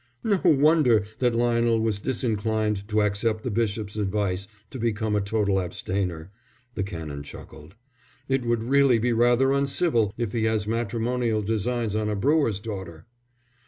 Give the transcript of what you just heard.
"No wonder that Lionel was disinclined to accept the Bishop's advice to become a total abstainer," the Canon chuckled. "It would really be rather uncivil if he has matrimonial designs on a brewer's daughter."